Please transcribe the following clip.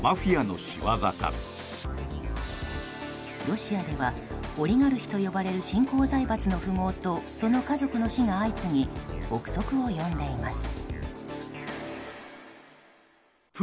ロシアではオリガルヒと呼ばれる新興財閥とその家族の死が相次ぎ憶測を呼んでいます。